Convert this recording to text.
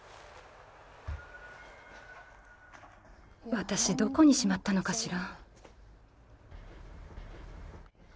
わたしどこにしまったのかしら。